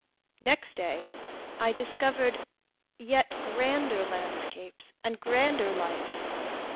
Next day I discovered yet grander landscapes and grander life.